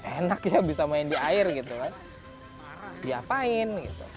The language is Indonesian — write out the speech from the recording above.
enak ya bisa main di air gitu kan diapain gitu